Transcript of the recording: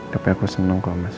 tapi aku seneng kok mas